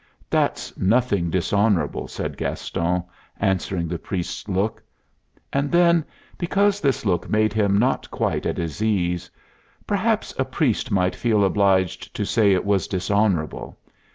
"That's nothing dishonorable," said Gaston, answering the priest's look. And then, because this look made him not quite at his ease: "Perhaps a priest might feel obliged to say it was dishonorable.